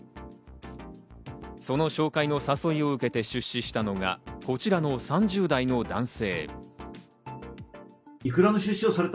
その紹介の誘いを受けて出資したのがこちらの３０代の男性。